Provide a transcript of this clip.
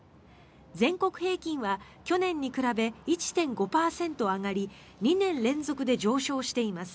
全国平均は去年に比べ１．５％上がり２年連続で上昇しています。